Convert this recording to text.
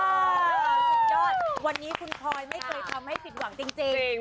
สุดยอดวันนี้คุณพลอยไม่เคยทำให้ผิดหวังจริง